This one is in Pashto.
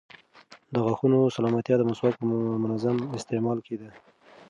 د غاښونو سلامتیا د مسواک په منظم استعمال کې ده.